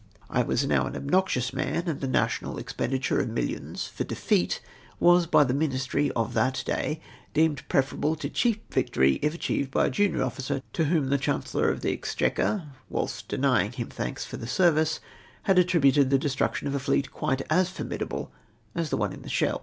I was now an obnoxious man, and the national expenditure of millions for defeat, was by the ministry of that day deemed preferable to cheap victory if achieved by a junior officer, to whom the Chancellor of the Exchequer — whilst denj^ing him thanks for the ser\ice — had attril^uted the destruction of a fleet quite as formidable as the one in the Scheldt.